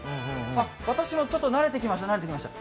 私もちょっと慣れてきました。